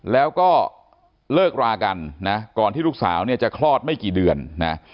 แล้วก็เลิกรากันนะก่อนที่ลูกสาวเนี่ยจะคลอดไม่กี่เดือนนะ